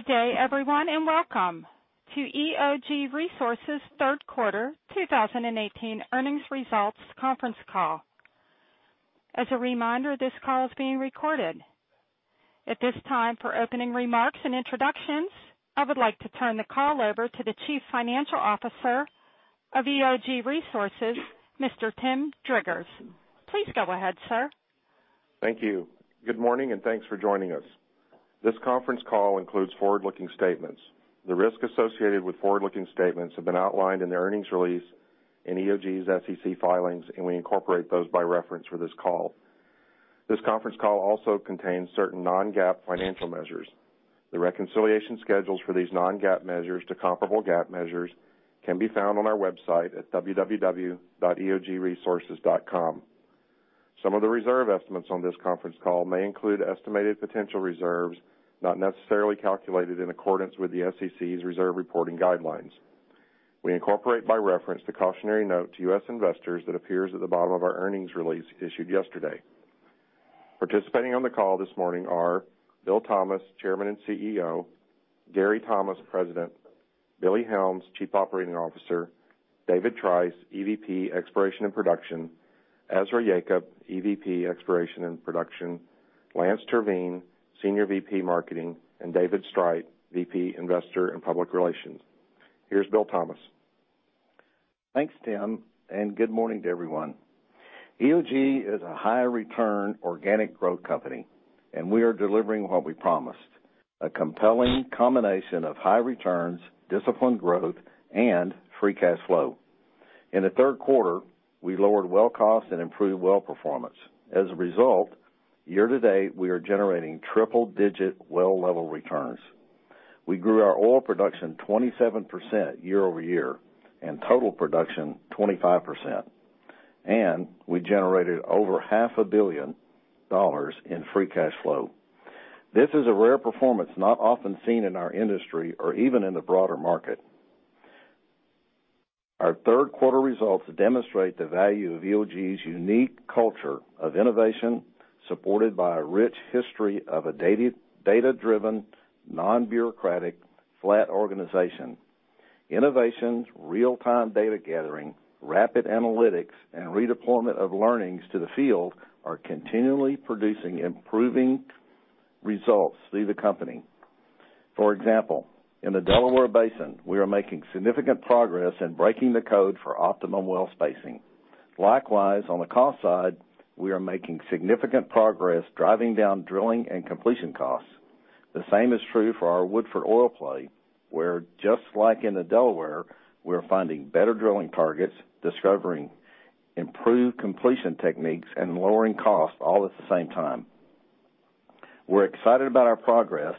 Good day, everyone, welcome to EOG Resources' third quarter 2018 earnings results conference call. As a reminder, this call is being recorded. At this time, for opening remarks and introductions, I would like to turn the call over to the Chief Financial Officer of EOG Resources, Mr. Tim Driggers. Please go ahead, sir. Thank you. Good morning, thanks for joining us. This conference call includes forward-looking statements. The risks associated with forward-looking statements have been outlined in the earnings release in EOG's SEC filings, we incorporate those by reference for this call. This conference call also contains certain non-GAAP financial measures. The reconciliation schedules for these non-GAAP measures to comparable GAAP measures can be found on our website at www.eogresources.com. Some of the reserve estimates on this conference call may include estimated potential reserves, not necessarily calculated in accordance with the SEC's reserve reporting guidelines. We incorporate by reference the cautionary note to U.S. investors that appears at the bottom of our earnings release issued yesterday. Participating on the call this morning are Bill Thomas, Chairman and CEO, Gary Thomas, President, Billy Helms, Chief Operating Officer, David Trice, EVP, Exploration and Production, Ezra Yacob, EVP, Exploration and Production, Lance Terveen, Senior VP, Marketing, David Streit, VP, Investor and Public Relations. Here's Bill Thomas. Thanks, Tim, good morning to everyone. EOG is a high-return organic growth company, we are delivering what we promised: a compelling combination of high returns, disciplined growth, and free cash flow. In the third quarter, we lowered well cost and improved well performance. As a result, year-to-date, we are generating triple-digit well level returns. We grew our oil production 27% year-over-year, total production 25%, we generated over half a billion dollars in free cash flow. This is a rare performance not often seen in our industry or even in the broader market. Our third quarter results demonstrate the value of EOG's unique culture of innovation, supported by a rich history of a data-driven, non-bureaucratic, flat organization. Innovations, real-time data gathering, rapid analytics, and redeployment of learnings to the field are continually producing improving results through the company. For example, in the Delaware Basin, we are making significant progress in breaking the code for optimum well spacing. Likewise, on the cost side, we are making significant progress driving down drilling and completion costs. The same is true for our Woodford oil play, where just like in the Delaware, we're finding better drilling targets, discovering improved completion techniques, and lowering costs all at the same time. We're excited about our progress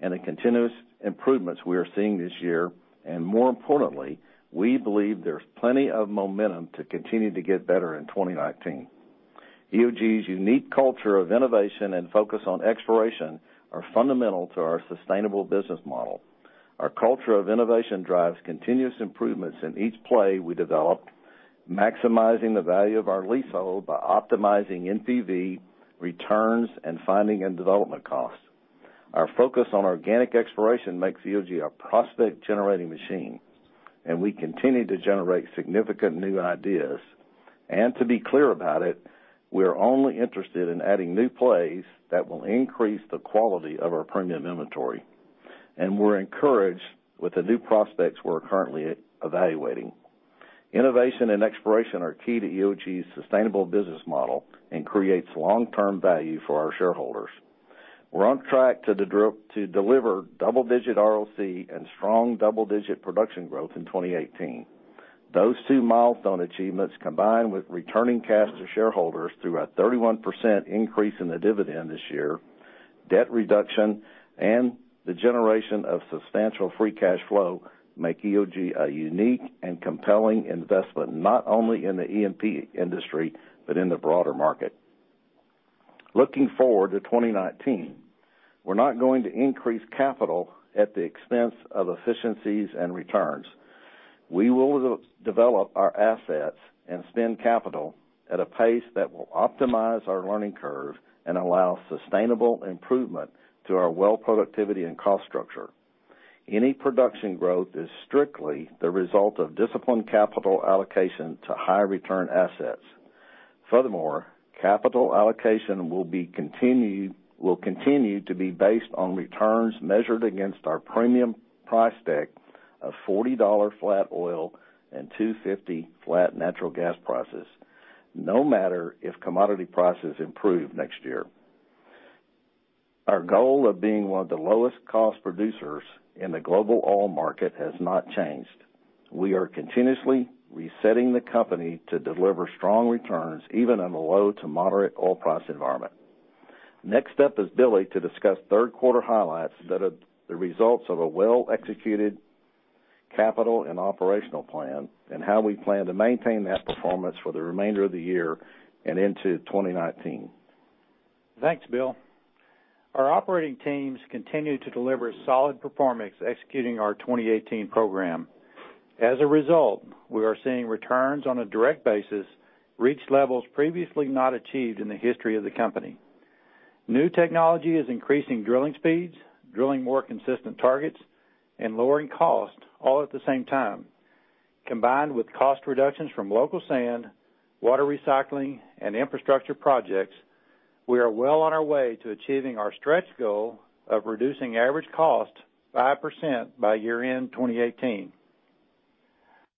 and the continuous improvements we are seeing this year, and more importantly, we believe there's plenty of momentum to continue to get better in 2019. EOG's unique culture of innovation and focus on exploration are fundamental to our sustainable business model. Our culture of innovation drives continuous improvements in each play we develop, maximizing the value of our leasehold by optimizing NPV returns and finding and development costs. Our focus on organic exploration makes EOG a prospect-generating machine, we continue to generate significant new ideas. To be clear about it, we are only interested in adding new plays that will increase the quality of our premium inventory. We're encouraged with the new prospects we're currently evaluating. Innovation and exploration are key to EOG's sustainable business model and creates long-term value for our shareholders. We're on track to deliver double-digit ROC and strong double-digit production growth in 2018. Those two milestone achievements, combined with returning cash to shareholders through a 31% increase in the dividend this year, debt reduction, and the generation of substantial free cash flow, make EOG a unique and compelling investment, not only in the E&P industry, but in the broader market. Looking forward to 2019, we're not going to increase capital at the expense of efficiencies and returns. We will develop our assets and spend capital at a pace that will optimize our learning curve and allow sustainable improvement to our well productivity and cost structure. Any production growth is strictly the result of disciplined capital allocation to high return assets. Furthermore, capital allocation will continue to be based on returns measured against our premium price deck of $40 flat oil and $250 flat natural gas prices, no matter if commodity prices improve next year. Our goal of being one of the lowest cost producers in the global oil market has not changed. We are continuously resetting the company to deliver strong returns, even in a low to moderate oil price environment. Next step is Billy to discuss third quarter highlights that are the results of a well-executed capital and operational plan and how we plan to maintain that performance for the remainder of the year and into 2019. Thanks, Bill. Our operating teams continue to deliver solid performance executing our 2018 program. As a result, we are seeing returns on a direct basis reach levels previously not achieved in the history of the company. New technology is increasing drilling speeds, drilling more consistent targets, and lowering costs all at the same time. Combined with cost reductions from local sand, water recycling, and infrastructure projects, we are well on our way to achieving our stretch goal of reducing average cost 5% by year-end 2018.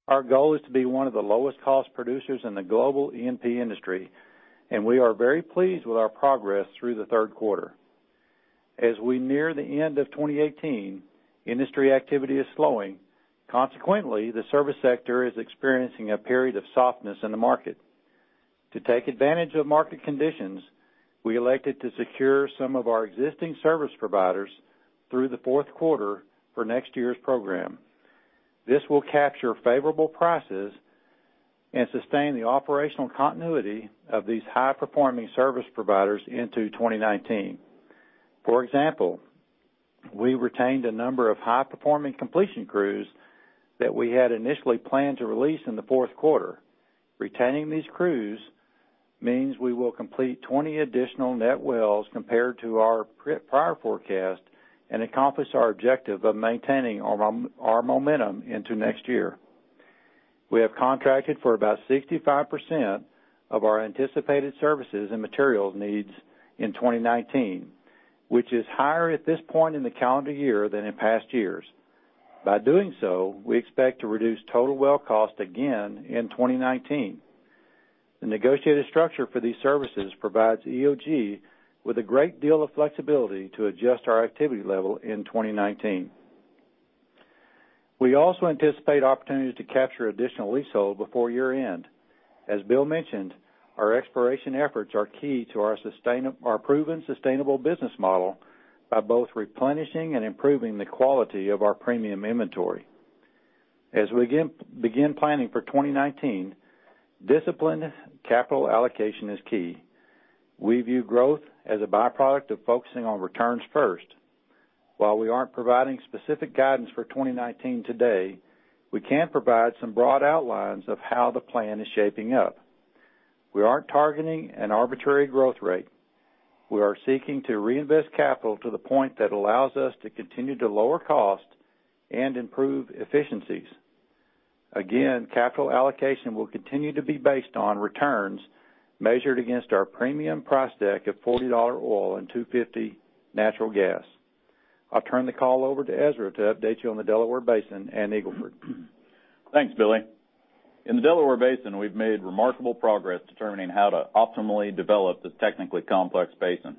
Our goal is to be one of the lowest cost producers in the global E&P industry, and we are very pleased with our progress through the third quarter. As we near the end of 2018, industry activity is slowing. Consequently, the service sector is experiencing a period of softness in the market. To take advantage of market conditions, we elected to secure some of our existing service providers through the fourth quarter for next year's program. This will capture favorable prices and sustain the operational continuity of these high-performing service providers into 2019. For example, we retained a number of high-performing completion crews that we had initially planned to release in the fourth quarter. Retaining these crews means we will complete 20 additional net wells compared to our prior forecast and accomplish our objective of maintaining our momentum into next year. We have contracted for about 65% of our anticipated services and materials needs in 2019, which is higher at this point in the calendar year than in past years. By doing so, we expect to reduce total well cost again in 2019. The negotiated structure for these services provides EOG with a great deal of flexibility to adjust our activity level in 2019. We also anticipate opportunities to capture additional leasehold before year-end. As Bill mentioned, our exploration efforts are key to our proven sustainable business model by both replenishing and improving the quality of our premium inventory. As we begin planning for 2019, disciplined capital allocation is key. We view growth as a byproduct of focusing on returns first. While we aren't providing specific guidance for 2019 today, we can provide some broad outlines of how the plan is shaping up. We aren't targeting an arbitrary growth rate. We are seeking to reinvest capital to the point that allows us to continue to lower cost and improve efficiencies. Again, capital allocation will continue to be based on returns measured against our premium price deck of $40 oil and $250 natural gas. I'll turn the call over to Ezra to update you on the Delaware Basin and Eagle Ford. Thanks, Billy. In the Delaware Basin, we've made remarkable progress determining how to optimally develop this technically complex basin.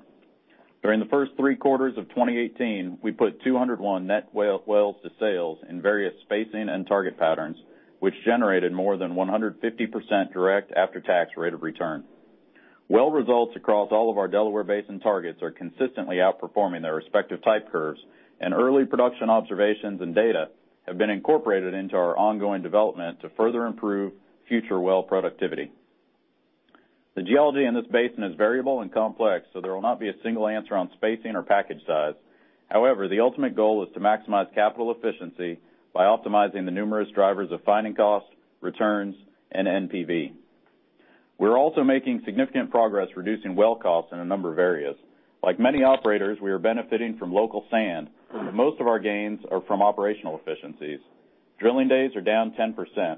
During the first three quarters of 2018, we put 201 net wells to sales in various spacing and target patterns, which generated more than 150% direct after-tax rate of return. Well results across all of our Delaware Basin targets are consistently outperforming their respective type curves, and early production observations and data have been incorporated into our ongoing development to further improve future well productivity. There will not be a single answer on spacing or package size. However, the ultimate goal is to maximize capital efficiency by optimizing the numerous drivers of finding costs, returns, and NPV. We're also making significant progress reducing well costs in a number of areas. Like many operators, we are benefiting from local sand. Most of our gains are from operational efficiencies. Drilling days are down 10%.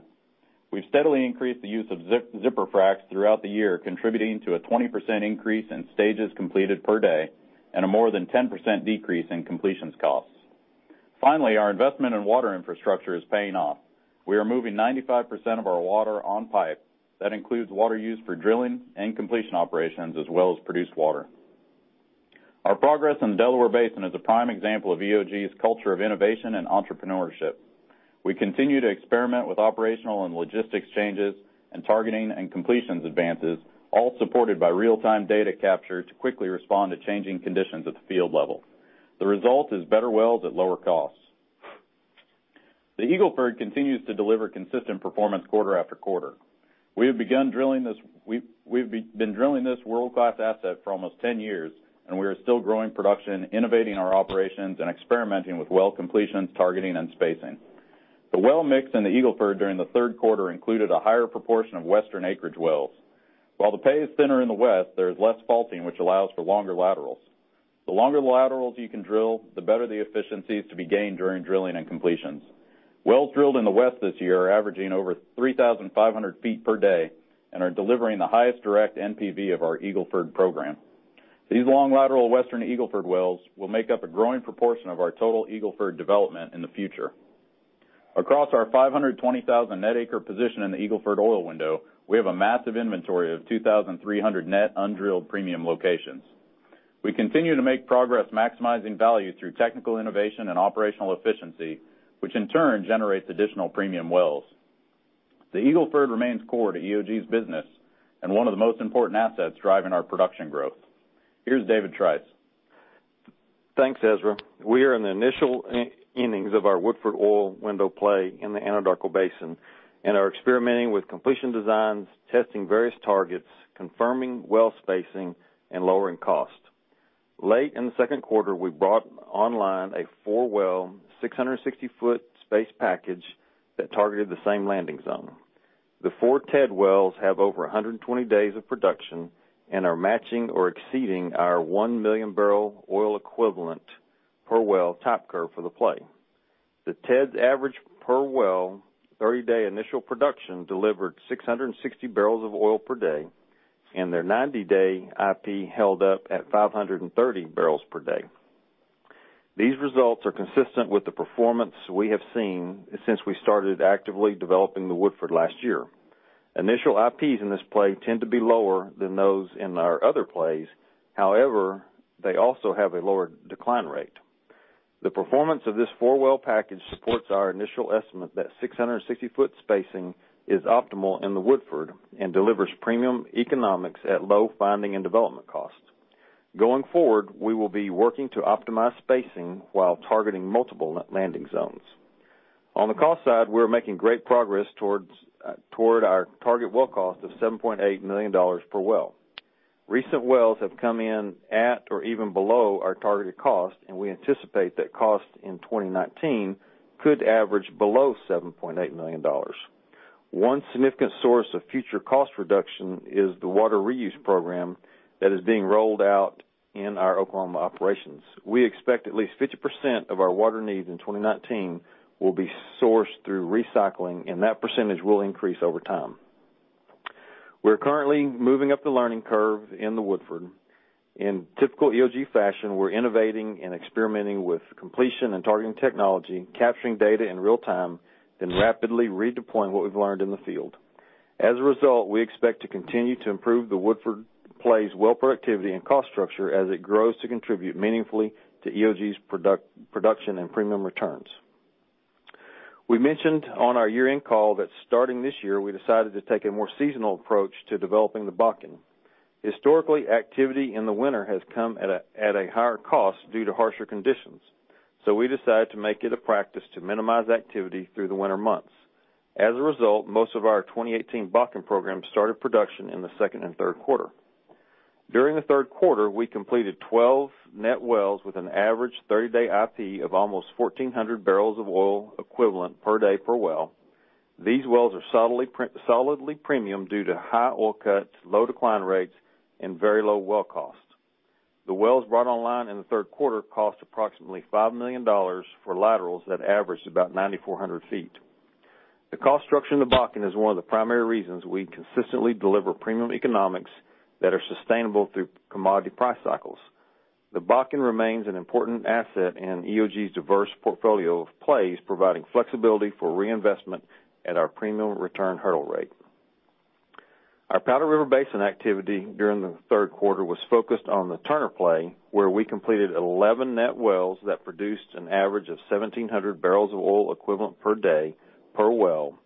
We've steadily increased the use of zipper fracs throughout the year, contributing to a 20% increase in stages completed per day and a more than 10% decrease in completions costs. Finally, our investment in water infrastructure is paying off. We are moving 95% of our water on pipe. That includes water used for drilling and completion operations, as well as produced water. Our progress in the Delaware Basin is a prime example of EOG's culture of innovation and entrepreneurship. We continue to experiment with operational and logistics changes and targeting and completions advances, all supported by real-time data capture to quickly respond to changing conditions at the field level. The result is better wells at lower costs. The Eagle Ford continues to deliver consistent performance quarter after quarter. We've been drilling this world-class asset for almost 10 years. We are still growing production, innovating our operations, and experimenting with well completions, targeting, and spacing. The well mix in the Eagle Ford during the third quarter included a higher proportion of western acreage wells. While the pay is thinner in the west, there is less faulting, which allows for longer laterals. The longer the laterals you can drill, the better the efficiencies to be gained during drilling and completions. Wells drilled in the west this year are averaging over 3,500 feet per day and are delivering the highest direct NPV of our Eagle Ford program. These long lateral western Eagle Ford wells will make up a growing proportion of our total Eagle Ford development in the future. Across our 520,000 net acre position in the Eagle Ford oil window, we have a massive inventory of 2,300 net undrilled premium locations. We continue to make progress maximizing value through technical innovation and operational efficiency, which in turn generates additional premium wells. The Eagle Ford remains core to EOG's business and one of the most important assets driving our production growth. Here's David Trice. Thanks, Ezra. We are in the initial innings of our Woodford Oil window play in the Anadarko Basin and are experimenting with completion designs, testing various targets, confirming well spacing, and lowering cost. Late in the second quarter, we brought online a 4-well, 660-foot space package that targeted the same landing zone. The 4 Ted wells have over 120 days of production and are matching or exceeding our 1 million barrel oil equivalent per well type curve for the play. The Ted's average per well 30-day initial production delivered 660 barrels of oil per day, and their 90-day IP held up at 530 barrels per day. These results are consistent with the performance we have seen since we started actively developing the Woodford last year. Initial IPs in this play tend to be lower than those in our other plays. However, they also have a lower decline rate. The performance of this 4-well package supports our initial estimate that 660-foot spacing is optimal in the Woodford and delivers premium economics at low finding and development costs. Going forward, we will be working to optimize spacing while targeting multiple landing zones. On the cost side, we're making great progress toward our target well cost of $7.8 million per well. Recent wells have come in at or even below our targeted cost, and we anticipate that cost in 2019 could average below $7.8 million. One significant source of future cost reduction is the water reuse program that is being rolled out in our Oklahoma operations. We expect at least 50% of our water needs in 2019 will be sourced through recycling, and that percentage will increase over time. We're currently moving up the learning curve in the Woodford. In typical EOG fashion, we're innovating and experimenting with completion and targeting technology, capturing data in real time, then rapidly redeploying what we've learned in the field. As a result, we expect to continue to improve the Woodford play's well productivity and cost structure as it grows to contribute meaningfully to EOG's production and premium returns. We mentioned on our year-end call that starting this year, we decided to take a more seasonal approach to developing the Bakken. Historically, activity in the winter has come at a higher cost due to harsher conditions. We decided to make it a practice to minimize activity through the winter months. As a result, most of our 2018 Bakken program started production in the second and third quarter. During the third quarter, we completed 12 net wells with an average 30-day IP of almost 1,400 barrels of oil equivalent per day per well. These wells are solidly premium due to high oil cuts, low decline rates, and very low well cost. The wells brought online in the third quarter cost approximately $5 million for laterals that averaged about 9,400 feet. The cost structure in the Bakken is one of the primary reasons we consistently deliver premium economics that are sustainable through commodity price cycles. The Bakken remains an important asset in EOG's diverse portfolio of plays, providing flexibility for reinvestment at our premium return hurdle rate. Our Powder River Basin activity during the third quarter was focused on the Turner play, where we completed 11 net wells that produced an average of 1,700 barrels of oil equivalent per day per well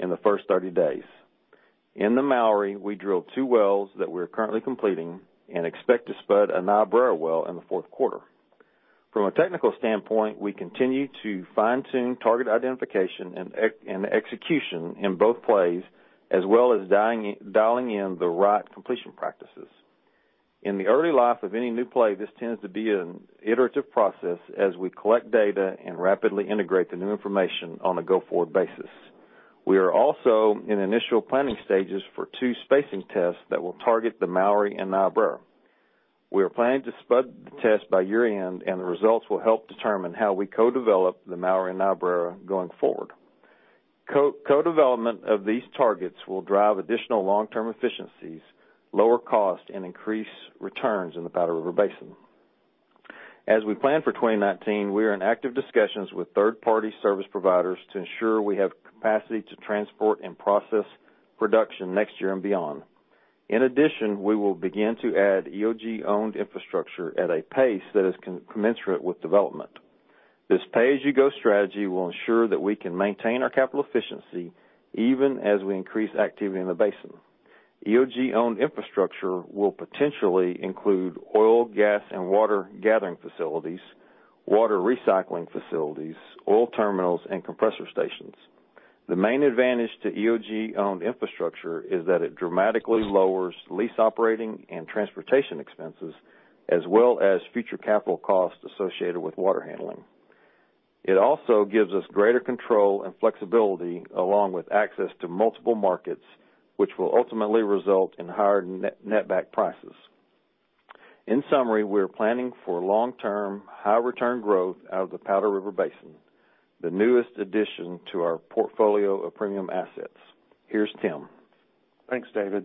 in the first 30 days. In the Mowry, we drilled two wells that we are currently completing and expect to spud a Niobrara well in the fourth quarter. From a technical standpoint, we continue to fine-tune target identification and execution in both plays, as well as dialing in the right completion practices. In the early life of any new play, this tends to be an iterative process as we collect data and rapidly integrate the new information on a go-forward basis. We are also in initial planning stages for two spacing tests that will target the Mowry and Niobrara. We are planning to spud the test by year-end, and the results will help determine how we co-develop the Mowry and Niobrara going forward. Co-development of these targets will drive additional long-term efficiencies, lower cost, and increase returns in the Powder River Basin. As we plan for 2019, we are in active discussions with third-party service providers to ensure we have capacity to transport and process production next year and beyond. In addition, we will begin to add EOG-owned infrastructure at a pace that is commensurate with development. This pay-as-you-go strategy will ensure that we can maintain our capital efficiency even as we increase activity in the basin. EOG-owned infrastructure will potentially include oil, gas, and water gathering facilities, water recycling facilities, oil terminals, and compressor stations. The main advantage to EOG-owned infrastructure is that it dramatically lowers lease operating and transportation expenses, as well as future capital costs associated with water handling. It also gives us greater control and flexibility, along with access to multiple markets, which will ultimately result in higher net-back prices. In summary, we are planning for long-term, high-return growth out of the Powder River Basin, the newest addition to our portfolio of premium assets. Here's Tim. Thanks, David.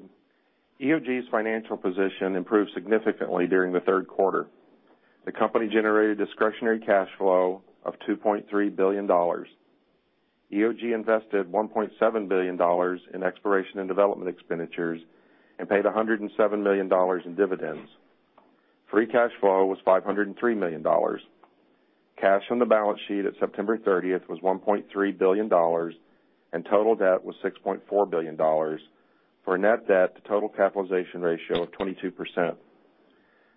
EOG's financial position improved significantly during the third quarter. The company generated discretionary cash flow of $2.3 billion. EOG invested $1.7 billion in exploration and development expenditures and paid $107 million in dividends. Free cash flow was $503 million. Cash on the balance sheet at September 30th was $1.3 billion, and total debt was $6.4 billion for a net debt to total capitalization ratio of 22%.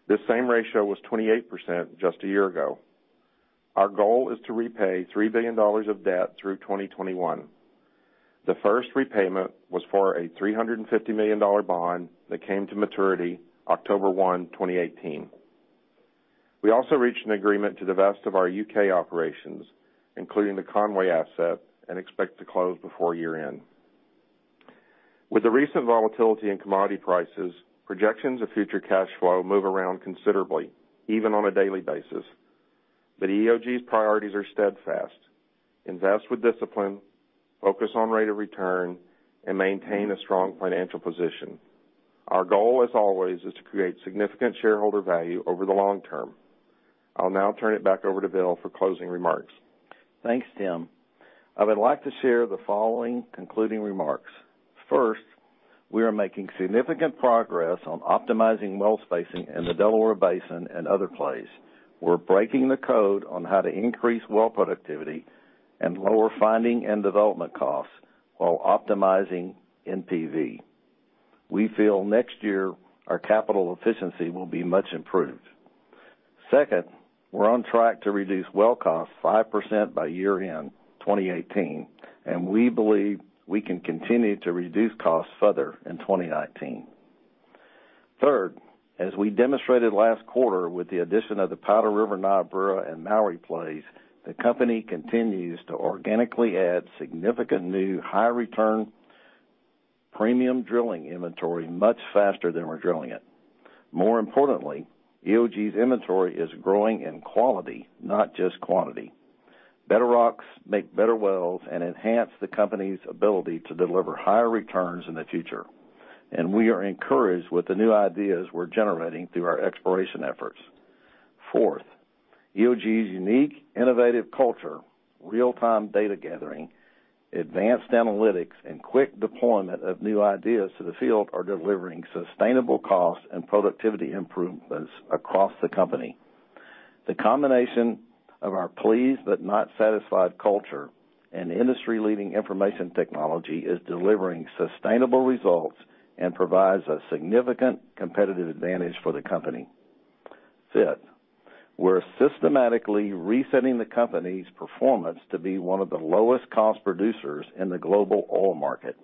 This same ratio was 28% just a year ago. Our goal is to repay $3 billion of debt through 2021. The first repayment was for a $350 million bond that came to maturity October 1, 2018. We also reached an agreement to divest of our U.K. operations, including the Conway asset, and expect to close before year-end. With the recent volatility in commodity prices, projections of future cash flow move around considerably, even on a daily basis. EOG's priorities are steadfast: invest with discipline, focus on rate of return, and maintain a strong financial position. Our goal, as always, is to create significant shareholder value over the long term. I'll now turn it back over to Bill for closing remarks. Thanks, Tim. I would like to share the following concluding remarks. First, we are making significant progress on optimizing well spacing in the Delaware Basin and other plays. We're breaking the code on how to increase well productivity and lower finding and development costs, while optimizing NPV. We feel next year our capital efficiency will be much improved. Second, we're on track to reduce well costs 5% by year-end 2018, and we believe we can continue to reduce costs further in 2019. Third, as we demonstrated last quarter with the addition of the Powder River, Niobrara, and Mowry plays, the company continues to organically add significant new high-return premium drilling inventory much faster than we're drilling it. More importantly, EOG's inventory is growing in quality, not just quantity. Better rocks make better wells and enhance the company's ability to deliver higher returns in the future. Fourth, EOG's unique, innovative culture, real-time data gathering, advanced analytics, and quick deployment of new ideas to the field are delivering sustainable cost and productivity improvements across the company. The combination of our pleased but not satisfied culture and industry-leading information technology is delivering sustainable results and provides a significant competitive advantage for the company. Fifth, we're systematically resetting the company's performance to be one of the lowest cost producers in the global oil market.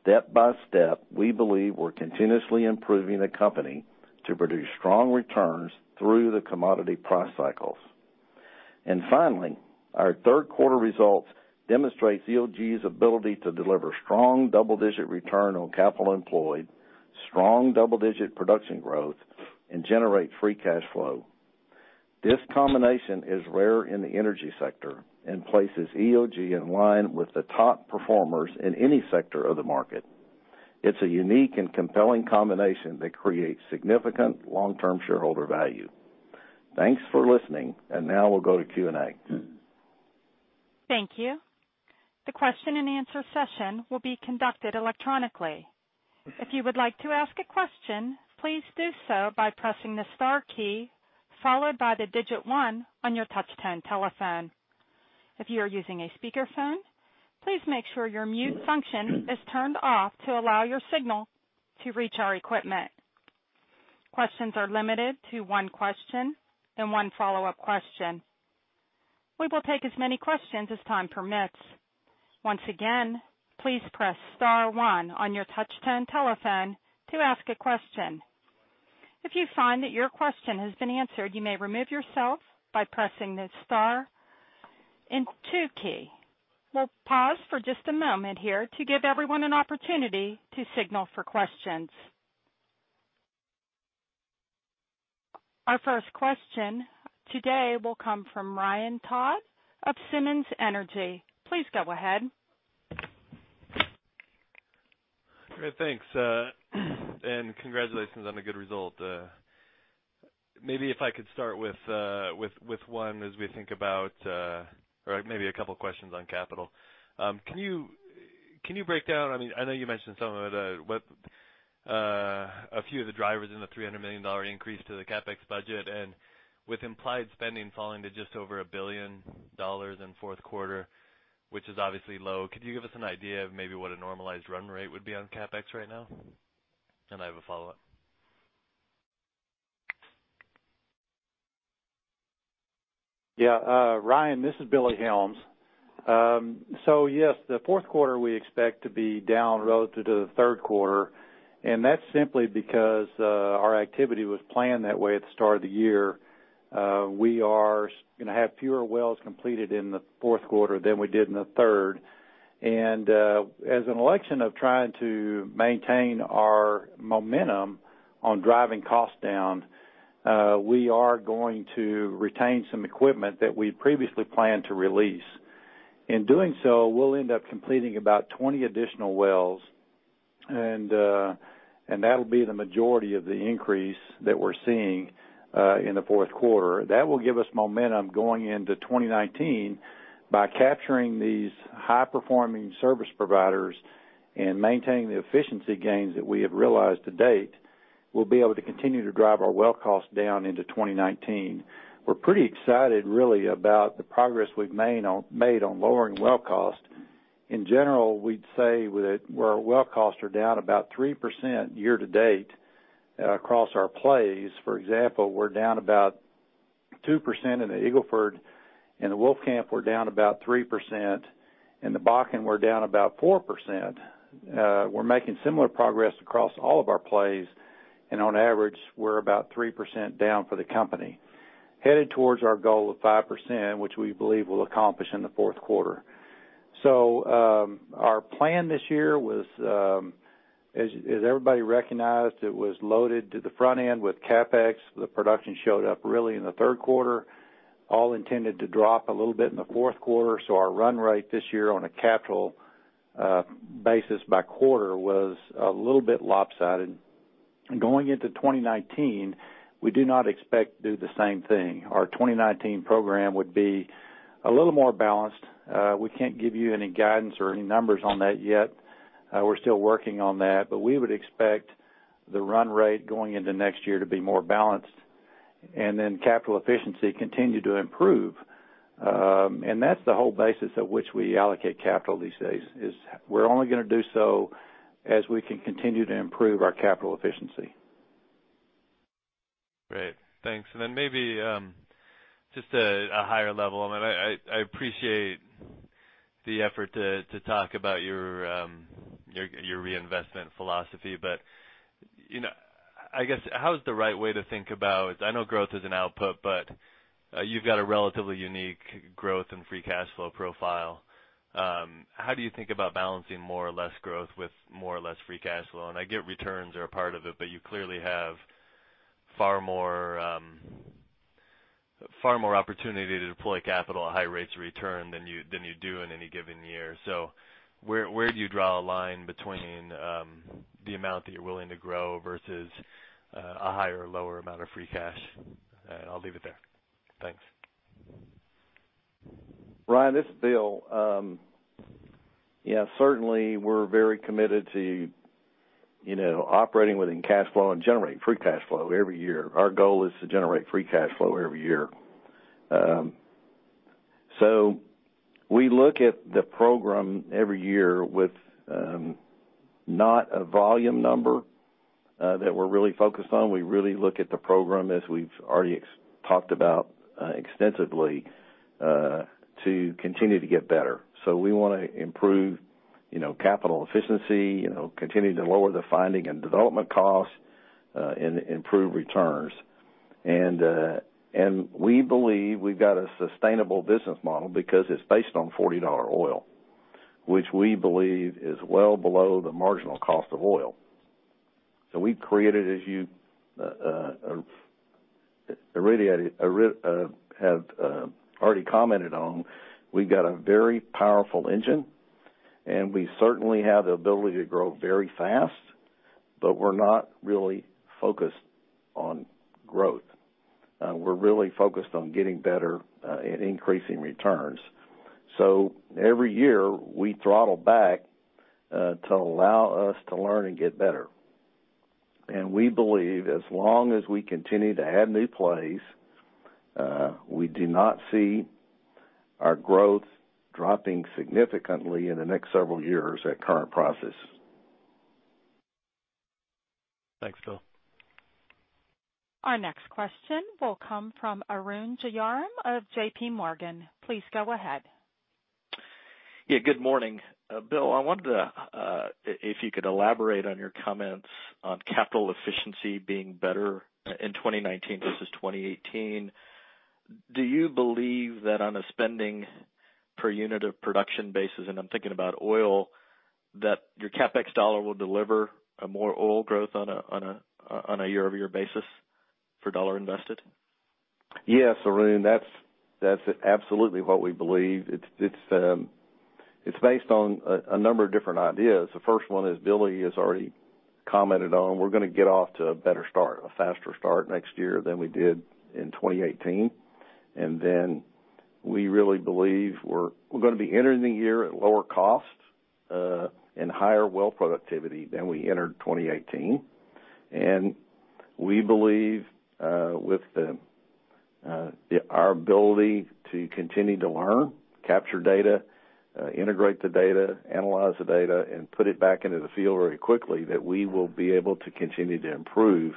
Step by step, we believe we're continuously improving the company to produce strong returns through the commodity price cycles. Finally, our third quarter results demonstrate EOG's ability to deliver strong double-digit return on capital employed, strong double-digit production growth, and generate free cash flow. This combination is rare in the energy sector and places EOG in line with the top performers in any sector of the market. It's a unique and compelling combination that creates significant long-term shareholder value. Thanks for listening. Now we'll go to Q&A. Thank you. The question and answer session will be conducted electronically. If you would like to ask a question, please do so by pressing the star key, followed by the digit 1 on your touch-tone telephone. If you are using a speakerphone, please make sure your mute function is turned off to allow your signal to reach our equipment. Questions are limited to one question and one follow-up question. We will take as many questions as time permits. Once again, please press star one on your touch-tone telephone to ask a question. If you find that your question has been answered, you may remove yourself by pressing the star and two key. We will pause for just a moment here to give everyone an opportunity to signal for questions. Our first question today will come from Ryan Todd of Simmons Energy. Please go ahead. Great. Thanks. Congratulations on a good result. Maybe if I could start with a couple of questions on capital. Can you break down, I know you mentioned some of it, a few of the drivers in the $300 million increase to the CapEx budget, and with implied spending falling to just over $1 billion in the fourth quarter, which is obviously low, could you give us an idea of maybe what a normalized run rate would be on CapEx right now? I have a follow-up. Yeah, Ryan, this is Billy Helms. Yes, the fourth quarter we expect to be down relative to the third quarter, and that's simply because our activity was planned that way at the start of the year. We are going to have fewer wells completed in the fourth quarter than we did in the third. As an election of trying to maintain our momentum on driving costs down, we are going to retain some equipment that we previously planned to release. In doing so, we'll end up completing about 20 additional wells, and that'll be the majority of the increase that we're seeing in the fourth quarter. That will give us momentum going into 2019 by capturing these high-performing service providers and maintaining the efficiency gains that we have realized to date. We'll be able to continue to drive our well cost down into 2019. We're pretty excited, really, about the progress we've made on lowering well cost. In general, we'd say that our well costs are down about 3% year to date across our plays. For example, we're down about 2% in the Eagle Ford. In the Wolfcamp, we're down about 3%. In the Bakken, we're down about 4%. We're making similar progress across all of our plays, and on average, we're about 3% down for the company, headed towards our goal of 5%, which we believe we'll accomplish in the fourth quarter. Our plan this year was, as everybody recognized, it was loaded to the front end with CapEx. The production showed up really in the third quarter, all intended to drop a little bit in the fourth quarter. Our run rate this year on a capital basis by quarter was a little bit lopsided. Going into 2019, we do not expect to do the same thing. Our 2019 program would be a little more balanced. We can't give you any guidance or any numbers on that yet. We're still working on that, we would expect the run rate going into next year to be more balanced. Capital efficiency continue to improve. That's the whole basis at which we allocate capital these days, is we're only going to do so as we can continue to improve our capital efficiency. Great. Thanks. Maybe just a higher level. I appreciate the effort to talk about your reinvestment philosophy, I guess, how is the right way to think about-- I know growth is an output, you've got a relatively unique growth and free cash flow profile. How do you think about balancing more or less growth with more or less free cash flow? I get returns are a part of it, but you clearly have far more opportunity to deploy capital at high rates of return than you do in any given year. Where do you draw a line between the amount that you're willing to grow versus a higher or lower amount of free cash? I'll leave it there. Thanks. Ryan, this is Bill. Certainly, we're very committed to operating within cash flow and generating free cash flow every year. Our goal is to generate free cash flow every year. We look at the program every year with not a volume number that we're really focused on. We really look at the program, as we've already talked about extensively, to continue to get better. We want to improve capital efficiency, continue to lower the finding and development costs, and improve returns. We believe we've got a sustainable business model because it's based on $40 oil, which we believe is well below the marginal cost of oil. We've created, as you have already commented on, we've got a very powerful engine, we certainly have the ability to grow very fast, but we're not really focused on growth. We're really focused on getting better at increasing returns. Every year, we throttle back to allow us to learn and get better. We believe as long as we continue to add new plays, we do not see our growth dropping significantly in the next several years at current prices. Thanks, Bill. Our next question will come from Arun Jayaram of JPMorgan. Please go ahead. Yeah. Good morning. Bill, I wondered if you could elaborate on your comments on capital efficiency being better in 2019 versus 2018. Do you believe that on a spending per unit of production basis, and I'm thinking about oil, that your CapEx dollar will deliver a more oil growth on a year-over-year basis for dollar invested? Yes, Arun, that's absolutely what we believe. It's based on a number of different ideas. The first one is Billy has already commented on. We're going to get off to a better start, a faster start next year than we did in 2018. We really believe we're going to be entering the year at lower costs, and higher well productivity than we entered 2018. We believe, with our ability to continue to learn, capture data, integrate the data, analyze the data, and put it back into the field very quickly, that we will be able to continue to improve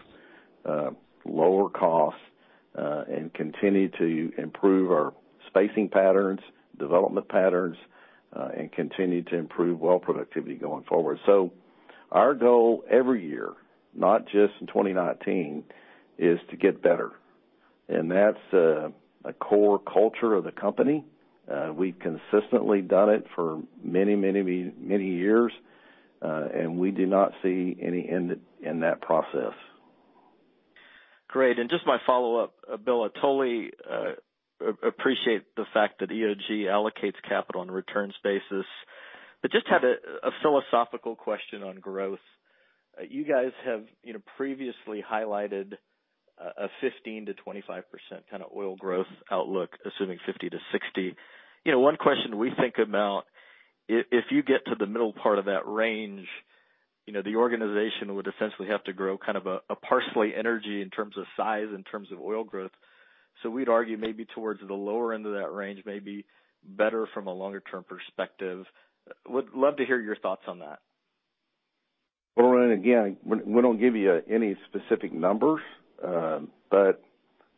lower costs, and continue to improve our spacing patterns, development patterns, and continue to improve well productivity going forward. Our goal every year, not just in 2019, is to get better. That's a core culture of the company. We've consistently done it for many years. We do not see any end in that process. Great. Just my follow-up, Bill. I totally appreciate the fact that EOG allocates capital on a returns basis. I just had a philosophical question on growth. You guys have previously highlighted a 15%-25% kind of oil growth outlook, assuming $50-$60. One question we think about, if you get to the middle part of that range, the organization would essentially have to grow kind of a Parsley Energy in terms of size, in terms of oil growth. We'd argue maybe towards the lower end of that range, maybe better from a longer-term perspective. Would love to hear your thoughts on that. Well, again, we don't give you any specific numbers.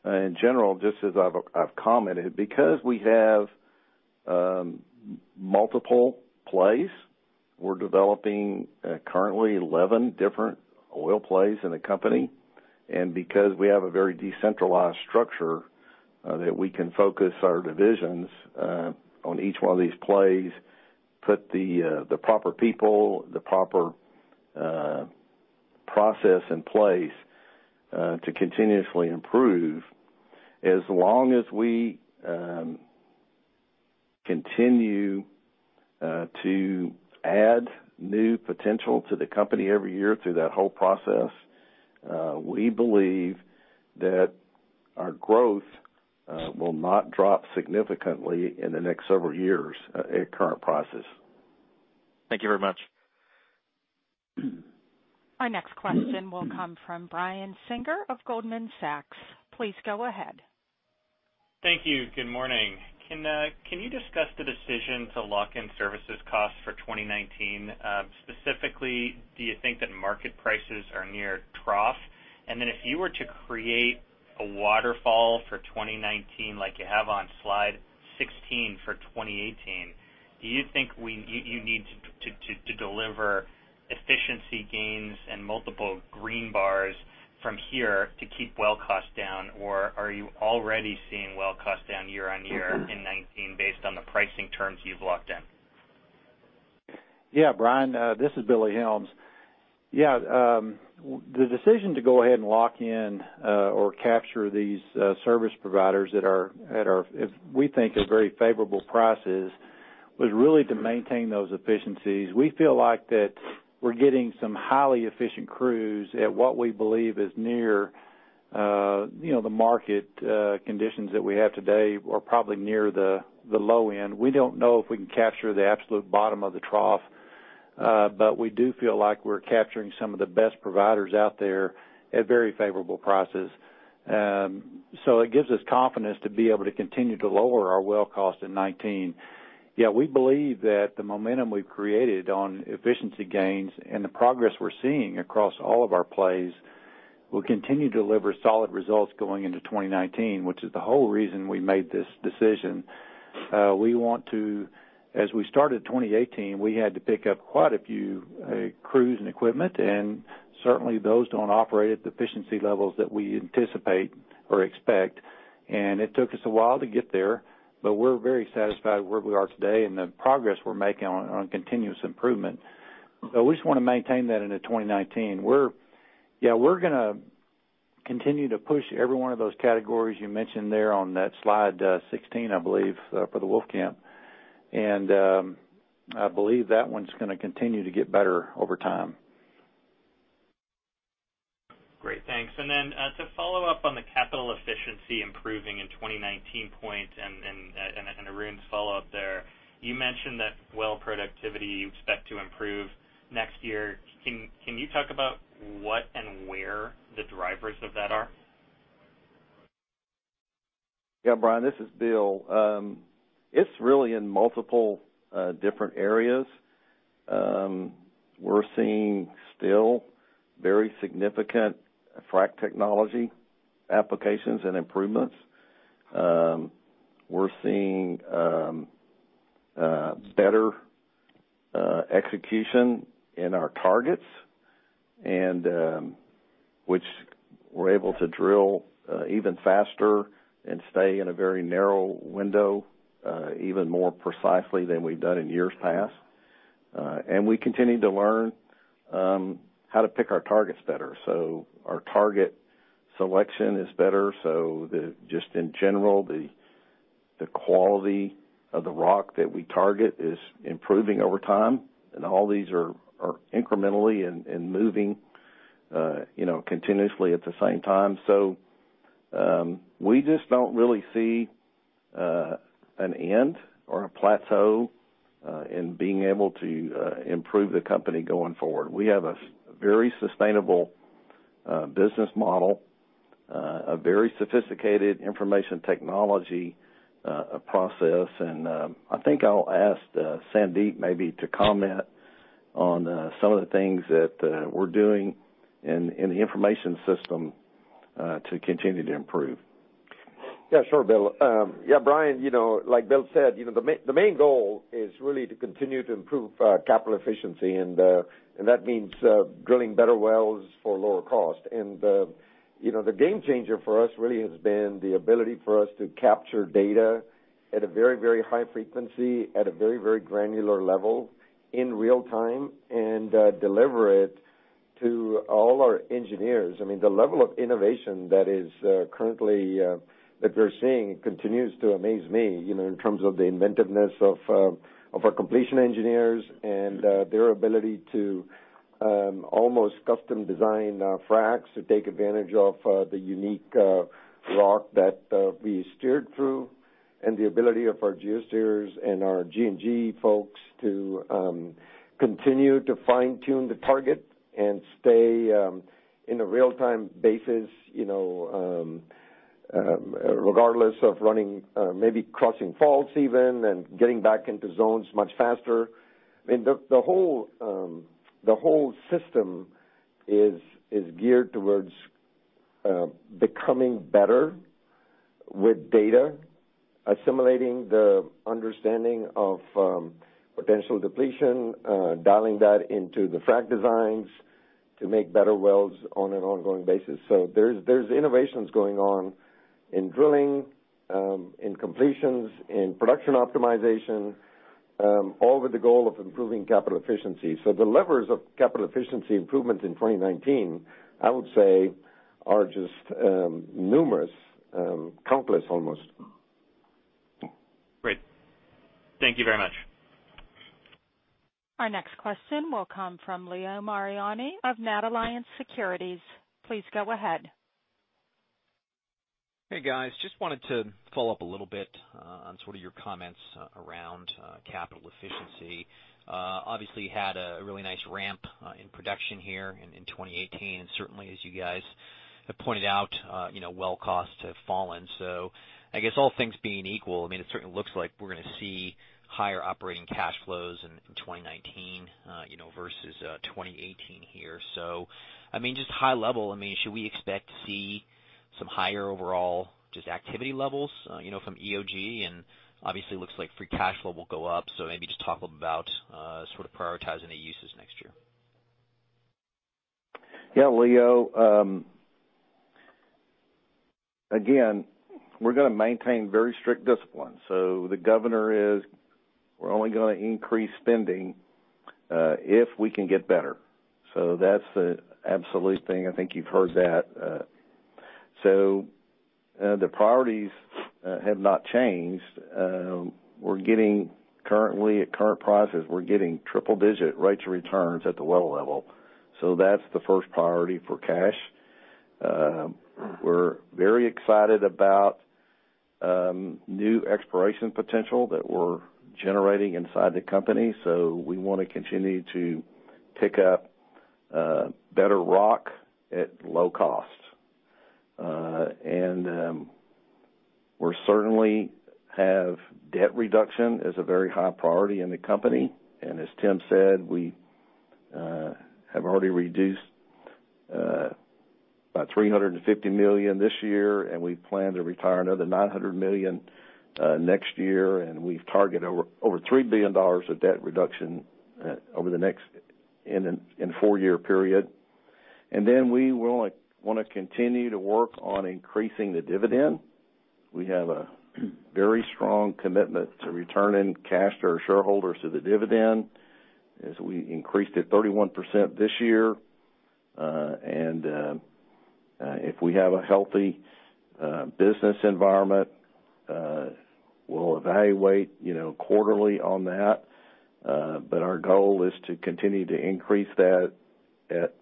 In general, just as I've commented, because we have multiple plays, we're developing currently 11 different oil plays in the company. Because we have a very decentralized structure, that we can focus our divisions on each one of these plays, put the proper people, the proper process in place to continuously improve. As long as we continue to add new potential to the company every year through that whole process, we believe that our growth will not drop significantly in the next several years at current prices. Thank you very much. Our next question will come from Brian Singer of Goldman Sachs. Please go ahead. Thank you. Good morning. Can you discuss the decision to lock in services costs for 2019? Specifically, do you think that market prices are near trough? If you were to create a waterfall for 2019, like you have on slide 16 for 2018, do you think you need to deliver efficiency gains and multiple green bars from here to keep well costs down? Are you already seeing well costs down year-over-year in 2019 based on the pricing terms you've locked in? Brian. This is Billy Helms. The decision to go ahead and lock in, or capture these service providers that are at, we think, are very favorable prices, was really to maintain those efficiencies. We feel like that we're getting some highly efficient crews at what we believe is near the market conditions that we have today, or probably near the low end. We don't know if we can capture the absolute bottom of the trough, but we do feel like we're capturing some of the best providers out there at very favorable prices. It gives us confidence to be able to continue to lower our well cost in 2019. Yeah, we believe that the momentum we've created on efficiency gains and the progress we're seeing across all of our plays will continue to deliver solid results going into 2019, which is the whole reason we made this decision. As we started 2018, we had to pick up quite a few crews and equipment, certainly those don't operate at the efficiency levels that we anticipate or expect. It took us a while to get there, but we're very satisfied where we are today and the progress we're making on continuous improvement. We just want to maintain that into 2019. We're going to continue to push every one of those categories you mentioned there on that slide 16, I believe, for the Wolfcamp, and I believe that one's going to continue to get better over time. Great. Thanks. Then to follow up on the capital efficiency improving in 2019 point, and Arun's follow-up there, you mentioned that well productivity you expect to improve next year. Can you talk about what and where the drivers of that are? Yeah, Brian, this is Bill. It's really in multiple different areas. We're seeing still very significant frack technology applications and improvements. We're seeing better execution in our targets, which we're able to drill even faster and stay in a very narrow window even more precisely than we've done in years past. We continue to learn how to pick our targets better. Our target selection is better. Just in general, the quality of the rock that we target is improving over time, all these are incrementally and moving continuously at the same time. We just don't really see an end or a plateau in being able to improve the company going forward. We have a very sustainable business model, a very sophisticated information technology process. I think I'll ask Sandeep maybe to comment on some of the things that we're doing in the information system to continue to improve. Yeah, sure, Bill. Yeah, Brian, like Bill said, the main goal is really to continue to improve capital efficiency, and that means drilling better wells for lower cost. The game changer for us really has been the ability for us to capture data at a very high frequency, at a very granular level in real time, and deliver it to all our engineers. I mean, the level of innovation that we're seeing continues to amaze me in terms of the inventiveness of our completion engineers and their ability to almost custom design fracs to take advantage of the unique rock that we steered through, and the ability of our geosteerers and our G&G folks to continue to fine-tune the target and stay in a real-time basis, regardless of running, maybe crossing faults even, and getting back into zones much faster. The whole system is geared towards becoming better with data, assimilating the understanding of potential depletion, dialing that into the frac designs to make better wells on an ongoing basis. There's innovations going on in drilling, in completions, in production optimization, all with the goal of improving capital efficiency. The levers of capital efficiency improvements in 2019, I would say, are just numerous, countless almost. Great. Thank you very much. Our next question will come from Leo Mariani of NatAlliance Securities. Please go ahead. Hey, guys. Just wanted to follow up a little bit on your comments around capital efficiency. Obviously, you had a really nice ramp in production here in 2018, and certainly, as you guys have pointed out, well costs have fallen. I guess all things being equal, it certainly looks like we're going to see higher operating cash flows in 2019 versus 2018 here. Just high level, should we expect to see some higher overall just activity levels from EOG? Obviously, it looks like free cash flow will go up, so maybe just talk about prioritizing the uses next year. Yeah, Leo. Again, we're going to maintain very strict discipline. The governor is we're only going to increase spending if we can get better. That's the absolute thing. I think you've heard that. The priorities have not changed. Currently, at current prices, we're getting triple-digit rates of returns at the well level. That's the first priority for cash. We're very excited about new exploration potential that we're generating inside the company, so we want to continue to pick up better rock at low cost. We certainly have debt reduction as a very high priority in the company. As Tim said, we have already reduced about $350 million this year, and we plan to retire another $900 million next year, and we've targeted over $3 billion of debt reduction over the next four-year period. We want to continue to work on increasing the dividend. We have a very strong commitment to returning cash to our shareholders through the dividend, as we increased it 31% this year. If we have a healthy business environment, we'll evaluate quarterly on that. Our goal is to continue to increase that at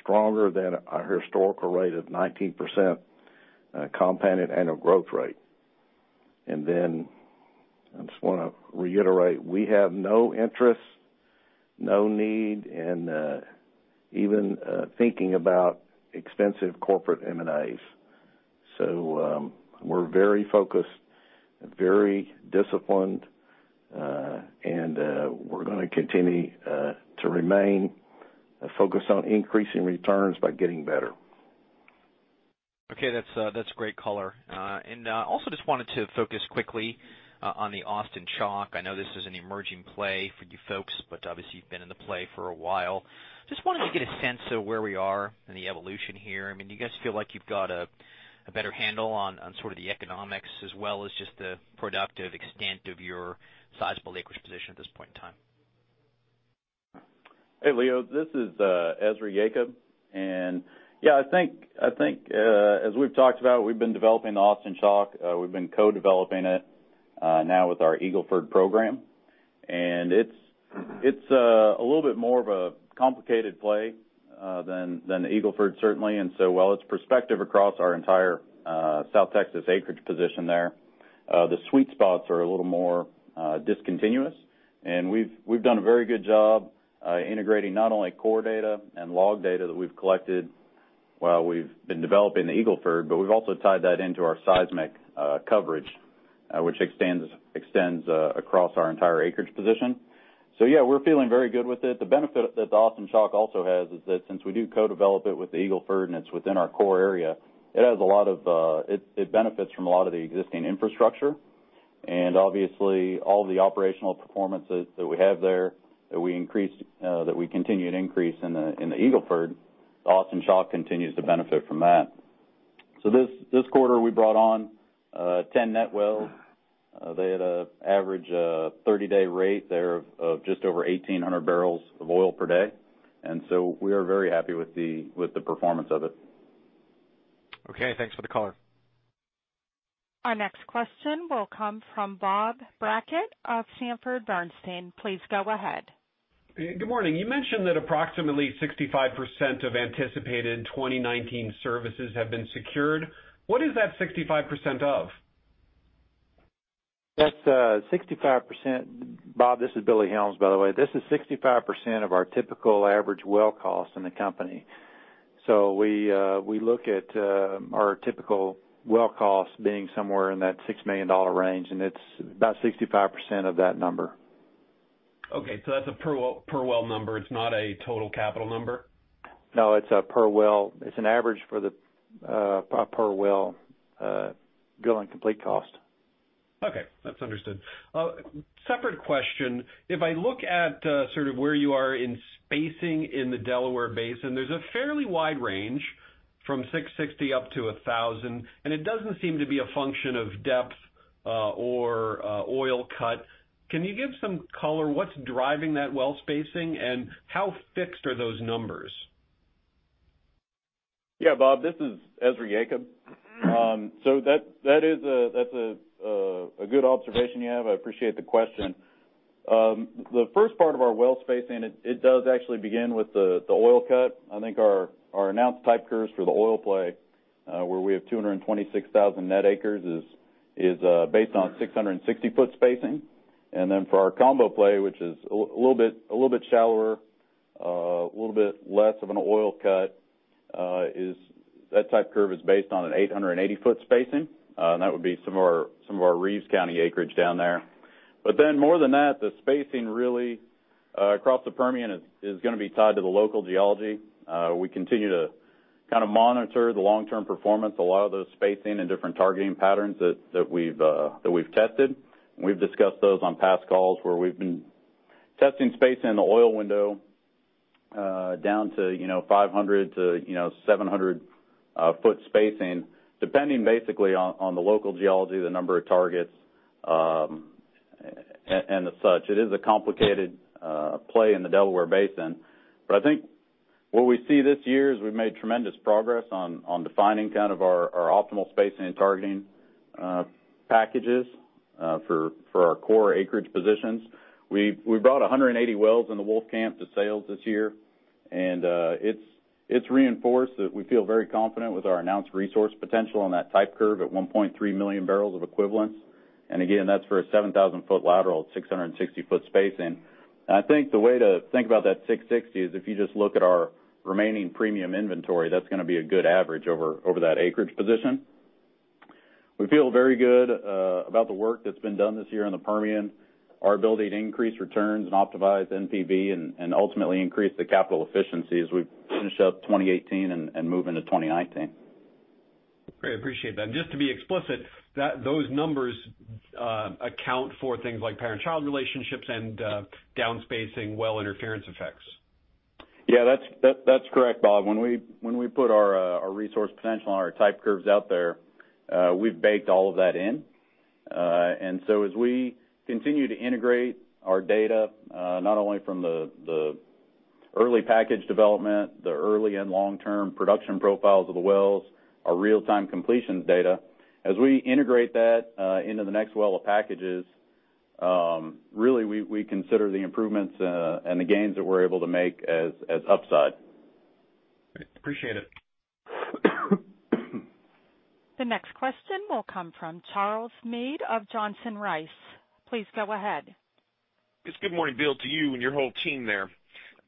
stronger than our historical rate of 19% compounded annual growth rate. I just want to reiterate, we have no interest, no need, and even thinking about extensive corporate M&As. We're very focused, very disciplined, and we're going to continue to remain focused on increasing returns by getting better. Okay. That's great color. Also just wanted to focus quickly on the Austin Chalk. I know this is an emerging play for you folks, but obviously you've been in the play for a while. Just wanted to get a sense of where we are in the evolution here. Do you guys feel like you've got a better handle on the economics as well as just the productive extent of your sizable acreage position at this point in time? Hey, Leo, this is Ezra Yacob. Yeah, I think as we've talked about, we've been developing the Austin Chalk. We've been co-developing it now with our Eagle Ford program, it's a little bit more of a complicated play than the Eagle Ford, certainly. While it's prospective across our entire South Texas acreage position there, the sweet spots are a little more discontinuous. We've done a very good job integrating not only core data and log data that we've collected while we've been developing the Eagle Ford, but we've also tied that into our seismic coverage, which extends across our entire acreage position. Yeah, we're feeling very good with it. The benefit that the Austin Chalk also has is that since we do co-develop it with the Eagle Ford, and it's within our core area, it benefits from a lot of the existing infrastructure. Obviously, all the operational performance that we have there, that we continue to increase in the Eagle Ford, the Austin Chalk continues to benefit from that. This quarter, we brought on 10 net wells. They had an average 30-day rate there of just over 1,800 barrels of oil per day. We are very happy with the performance of it. Okay, thanks for the color. Our next question will come from Bob Brackett of Sanford C. Bernstein. Please go ahead. Good morning. You mentioned that approximately 65% of anticipated 2019 services have been secured. What is that 65% of? That's 65%. Bob, this is Billy Helms, by the way. This is 65% of our typical average well cost in the company. We look at our typical well cost being somewhere in that $6 million range, and it's about 65% of that number. Okay, that's a per well number. It's not a total capital number? No, it's a per well. It's an average for the per well drill and complete cost. Okay. That's understood. A separate question. If I look at sort of where you are in spacing in the Delaware Basin, there's a fairly wide range from 660 up to 1,000. It doesn't seem to be a function of depth or oil cut. Can you give some color? What's driving that well spacing, and how fixed are those numbers? Yeah, Bob, this is Ezra Yacob. That's a good observation you have. I appreciate the question. The first part of our well spacing, it does actually begin with the oil cut. I think our announced type curves for the oil play, where we have 226,000 net acres, is based on 660-foot spacing. For our combo play, which is a little bit shallower, a little bit less of an oil cut, that type curve is based on an 880-foot spacing. That would be some of our Reeves County acreage down there. More than that, the spacing really across the Permian is going to be tied to the local geology. We continue to monitor the long-term performance, a lot of those spacing and different targeting patterns that we've tested. We've discussed those on past calls where we've been testing space in the oil window down to 500 to 700-foot spacing, depending basically on the local geology, the number of targets, and the such. It is a complicated play in the Delaware Basin. I think what we see this year is we've made tremendous progress on defining our optimal spacing and targeting packages for our core acreage positions. We brought 180 wells in the Wolfcamp to sales this year. It's reinforced that we feel very confident with our announced resource potential on that type curve at 1.3 million barrels of equivalent. Again, that's for a 7,000-foot lateral, 660-foot spacing. I think the way to think about that 660 is if you just look at our remaining premium inventory, that's going to be a good average over that acreage position. We feel very good about the work that's been done this year in the Permian, our ability to increase returns and optimize NPV, and ultimately increase the capital efficiency as we finish out 2018 and move into 2019. Great. Appreciate that. Just to be explicit, those numbers account for things like parent-child relationships and down-spacing well interference effects. Yeah. That's correct, Bob. When we put our resource potential and our type curves out there, we've baked all of that in. As we continue to integrate our data, not only from the early package development, the early and long-term production profiles of the wells, our real-time completion data, as we integrate that into the next well of packages, really, we consider the improvements and the gains that we're able to make as upside. Appreciate it. The next question will come from Charles Meade of Johnson Rice. Please go ahead. Yes. Good morning, Bill, to you and your whole team there.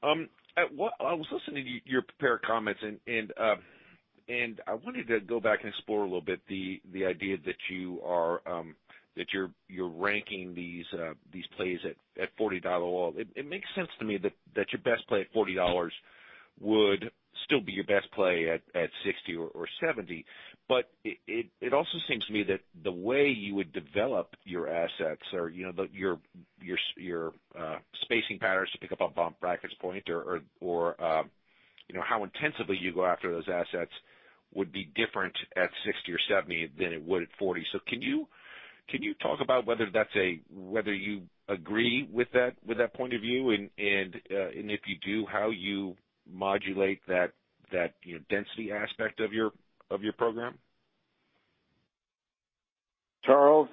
I was listening to your prepared comments. I wanted to go back and explore a little bit the idea that you're ranking these plays at $40 oil. It makes sense to me that your best play at $40 would still be your best play at $60 or $70. It also seems to me that the way you would develop your assets or your spacing patterns, to pick up on Bob Brackett's point, or how intensively you go after those assets would be different at $60 or $70 than it would at $40. Can you talk about whether you agree with that point of view? If you do, how you modulate that density aspect of your program? Charles,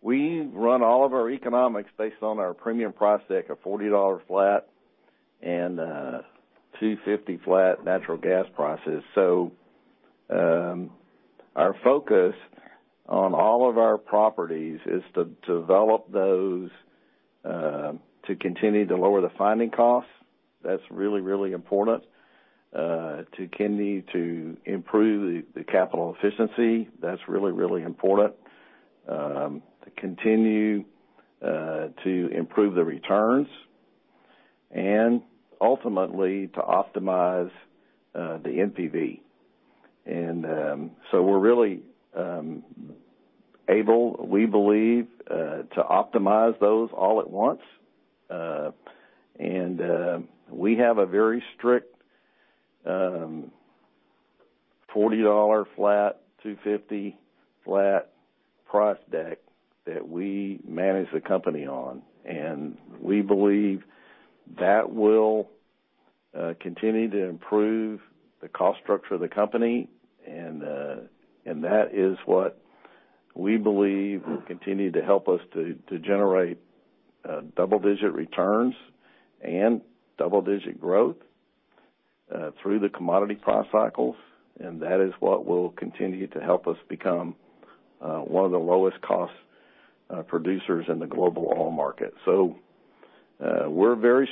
we run all of our economics based on our premium price deck of $40 flat and $250 flat natural gas prices. Our focus on all of our properties is to develop those to continue to lower the finding costs. That's really important. To continue to improve the capital efficiency, that's really important. To continue to improve the returns, ultimately to optimize the NPV. We're really able, we believe, to optimize those all at once. We have a very strict $40 flat, $250 flat price deck that we manage the company on. We believe that will continue to improve the cost structure of the company. That is what we believe will continue to help us to generate double-digit returns and double-digit growth. Through the commodity price cycles, that is what will continue to help us become one of the lowest cost producers in the global oil market. We're very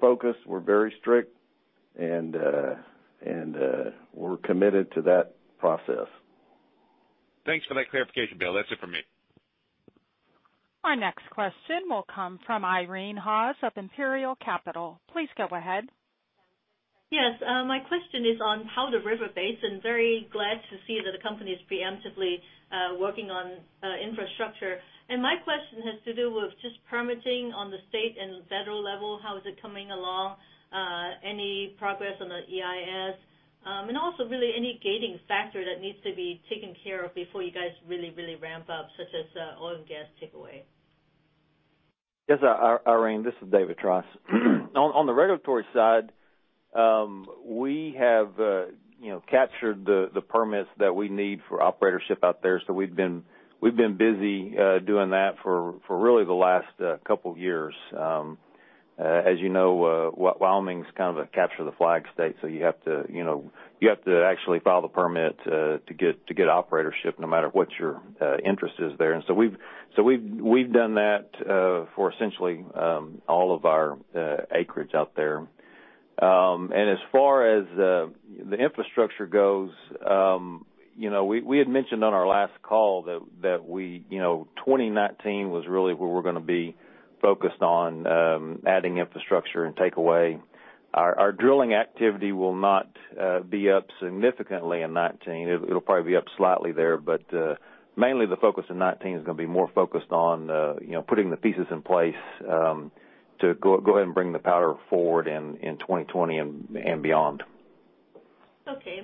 focused, we're very strict. We're committed to that process. Thanks for that clarification, Bill. That's it for me. Our next question will come from Irene Haas of Imperial Capital. Please go ahead. Yes. My question is on how the Powder River Basin. Very glad to see that the company is preemptively working on infrastructure. My question has to do with just permitting on the state and federal level. How is it coming along? Any progress on the EIS? Also really any gating factor that needs to be taken care of before you guys really ramp up, such as oil and gas takeaway. Yes, Irene, this is David Trice. On the regulatory side, we have captured the permits that we need for operatorship out there. We've been busy doing that for really the last couple of years. As you know, Wyoming's kind of a capture the flag state, so you have to actually file the permit to get operatorship no matter what your interest is there. We've done that for essentially all of our acreage out there. As far as the infrastructure goes, we had mentioned on our last call that 2019 was really where we're going to be focused on adding infrastructure and takeaway. Our drilling activity will not be up significantly in 2019. It'll probably be up slightly there. Mainly the focus in 2019 is going to be more focused on putting the pieces in place to go ahead and bring the Powder forward in 2020 and beyond.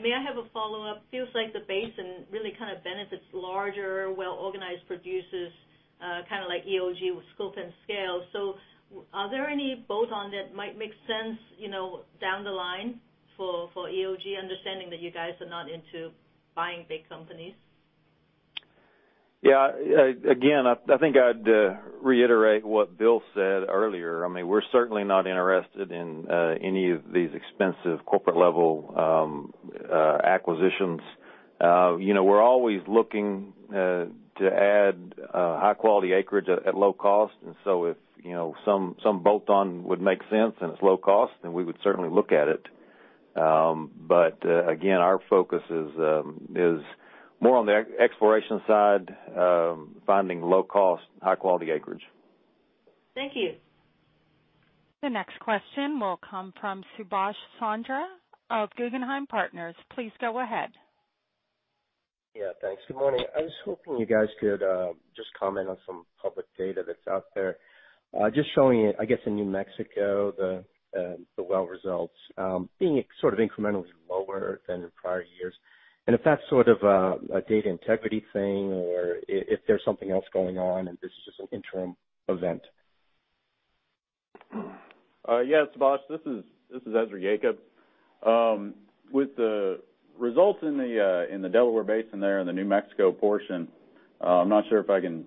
May I have a follow-up? Feels like the basin really kind of benefits larger, well organized producers, kind of like EOG with scope and scale. Are there any bolt-on that might make sense down the line for EOG, understanding that you guys are not into buying big companies? Yeah. Again, I think I'd reiterate what Bill said earlier. We're certainly not interested in any of these expensive corporate level acquisitions. We're always looking to add high quality acreage at low cost. If some bolt-on would make sense and it's low cost, then we would certainly look at it. Again, our focus is more on the exploration side, finding low cost, high quality acreage. Thank you. The next question will come from Subash Chandra of Guggenheim Partners. Please go ahead. Thanks. Good morning. I was hoping you guys could just comment on some public data that's out there. Just showing, I guess in New Mexico, the well results being sort of incrementally lower than in prior years, and if that's sort of a data integrity thing or if there's something else going on and this is just an interim event. Yes, Subash. This is Ezra Yacob. With the results in the Delaware Basin there in the New Mexico portion, I'm not sure if I can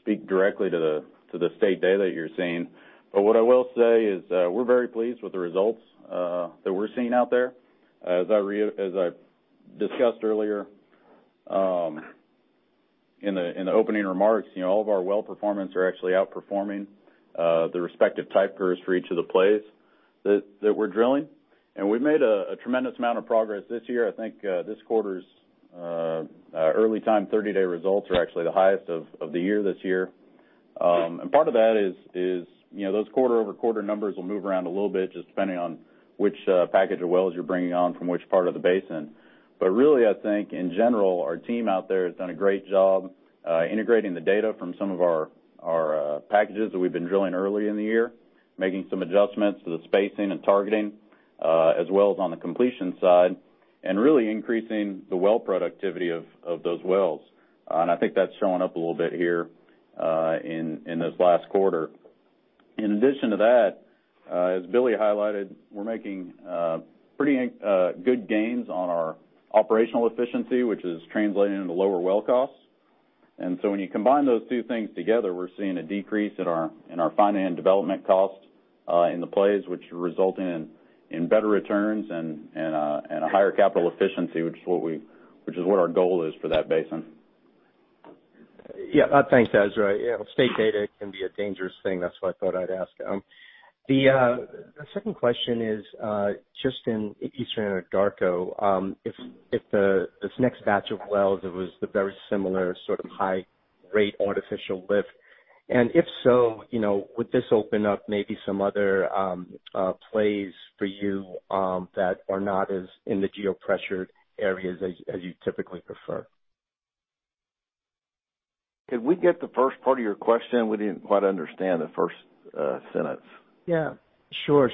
speak directly to the state data that you're seeing. What I will say is we're very pleased with the results that we're seeing out there. As I discussed earlier in the opening remarks all of our well performance are actually outperforming the respective type curves for each of the plays that we're drilling. We've made a tremendous amount of progress this year. I think this quarter's early time 30-day results are actually the highest of the year this year. Part of that is those quarter-over-quarter numbers will move around a little bit, just depending on which package of wells you're bringing on from which part of the basin. Really, I think in general, our team out there has done a great job integrating the data from some of our packages that we've been drilling early in the year, making some adjustments to the spacing and targeting, as well as on the completion side, and really increasing the well productivity of those wells. I think that's showing up a little bit here in this last quarter. In addition to that, as Billy Helms highlighted, we're making pretty good gains on our operational efficiency, which is translating into lower well costs. When you combine those two things together, we're seeing a decrease in our find and development costs in the plays, which result in better returns and a higher capital efficiency, which is what our goal is for that basin. Thanks, Ezra. State data can be a dangerous thing. That's why I thought I'd ask. The second question is, just in Eastern Anadarko, if this next batch of wells was the very similar sort of high rate artificial lift, and if so, would this open up maybe some other plays for you that are not as in the geo-pressured areas as you typically prefer? Could we get the first part of your question? We didn't quite understand the first sentence. Yeah. Sure.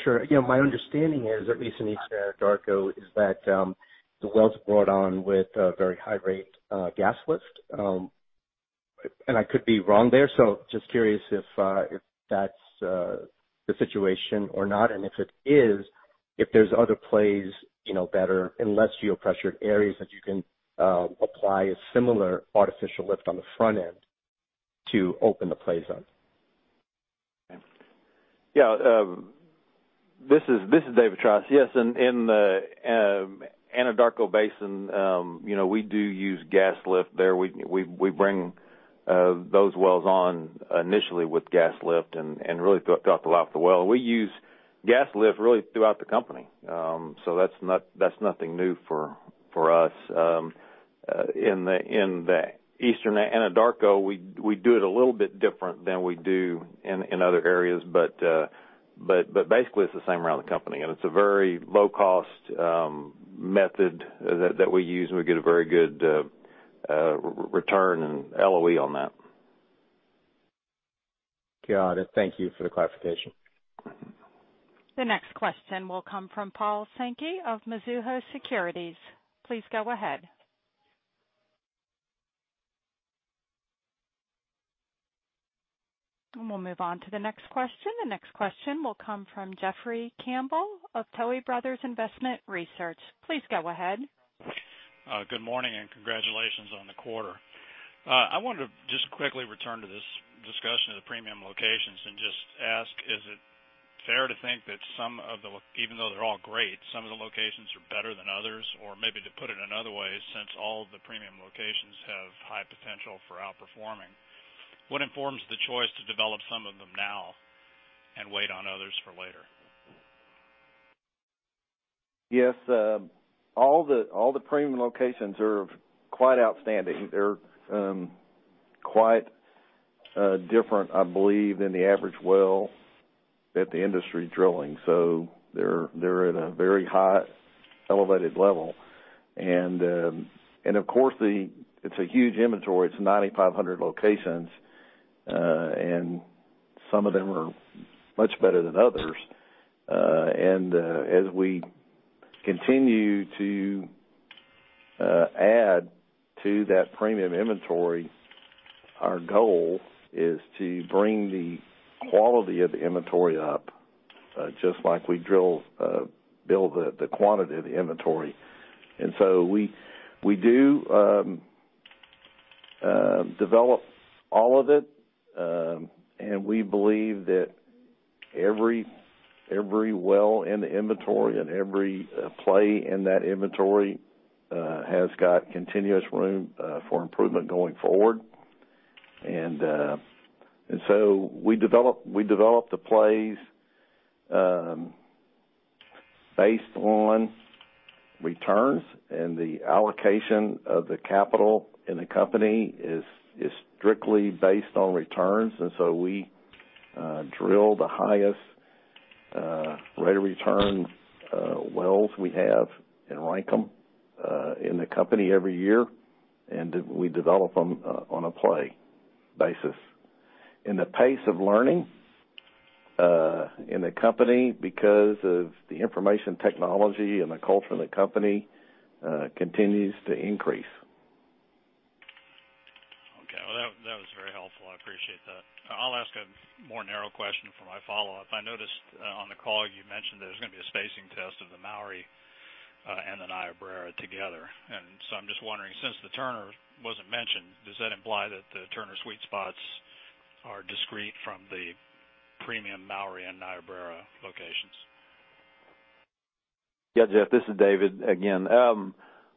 My understanding is, at least in Eastern Anadarko, is that the wells are brought on with a very high rate gas lift. I could be wrong there, so just curious if that's the situation or not, and if it is, if there's other plays better in less geo-pressured areas that you can apply a similar artificial lift on the front end to open the play zone. Yeah. This is David Trice. Yes, in the Anadarko Basin, we do use gas lift there. We bring those wells on initially with gas lift and really throughout the well. We use gas lift really throughout the company. That's nothing new for us. In the Eastern Anadarko, we do it a little bit different than we do in other areas, but basically, it's the same around the company, and it's a very low-cost method that we use, and we get a very good return and LOE on that. Got it. Thank you for the clarification. The next question will come from Paul Sankey of Mizuho Securities. Please go ahead. We'll move on to the next question. The next question will come from Jeffrey Campbell of Tuohy Brothers Investment Research. Please go ahead. Good morning, congratulations on the quarter. I wanted to just quickly return to this discussion of the premium locations and just ask, is it fair to think that even though they're all great, some of the locations are better than others? Or maybe to put it another way, since all of the premium locations have high potential for outperforming, what informs the choice to develop some of them now and wait on others for later? Yes. All the premium locations are quite outstanding. They're quite different, I believe, than the average well that the industry's drilling. They're at a very high, elevated level. Of course, it's a huge inventory. It's 9,500 locations, some of them are much better than others. As we continue to add to that premium inventory, our goal is to bring the quality of the inventory up, just like we build the quantity of the inventory. We do develop all of it, we believe that every well in the inventory and every play in that inventory has got continuous room for improvement going forward. We develop the plays based on returns, the allocation of the capital in the company is strictly based on returns. We drill the highest rate of return wells we have, rank them in the company every year, we develop them on a play basis. The pace of learning in the company, because of the information technology and the culture in the company, continues to increase. Okay. Well, that was very helpful. I appreciate that. I'll ask a more narrow question for my follow-up. I noticed on the call you mentioned there's going to be a spacing test of the Mowry and the Niobrara together. I'm just wondering, since the Turner wasn't mentioned, does that imply that the Turner sweet spots are discrete from the premium Mowry and Niobrara locations? Yeah, Jeff, this is David again.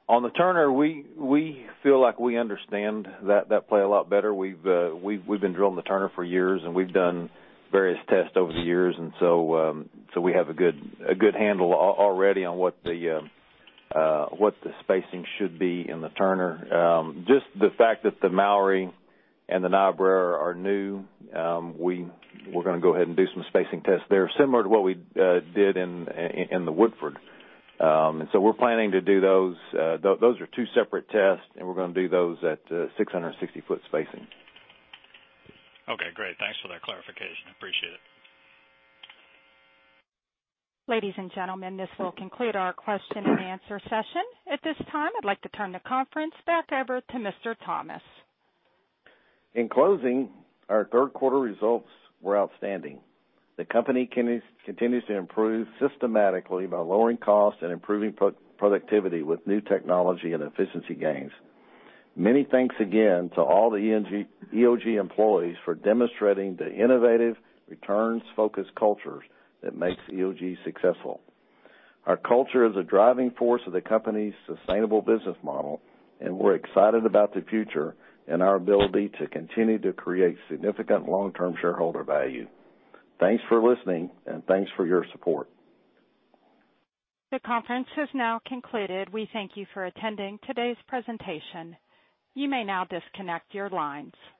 On the Turner, we feel like we understand that play a lot better. We've been drilling the Turner for years, and we've done various tests over the years, we have a good handle already on what the spacing should be in the Turner. Just the fact that the Mowry and the Niobrara are new, we're going to go ahead and do some spacing tests there, similar to what we did in the Woodford. We're planning to do those. Those are two separate tests, and we're going to do those at 660-foot spacing. Okay, great. Thanks for that clarification. I appreciate it. Ladies and gentlemen, this will conclude our question and answer session. At this time, I'd like to turn the conference back over to Mr. Thomas. In closing, our third quarter results were outstanding. The company continues to improve systematically by lowering cost and improving productivity with new technology and efficiency gains. Many thanks again to all the EOG employees for demonstrating the innovative returns-focused cultures that makes EOG successful. Our culture is a driving force of the company's sustainable business model, and we're excited about the future and our ability to continue to create significant long-term shareholder value. Thanks for listening, and thanks for your support. The conference has now concluded. We thank you for attending today's presentation. You may now disconnect your lines.